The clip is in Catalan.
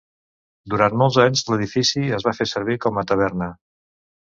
Durant molts d'anys, l'edifici es va fer servir com a taverna.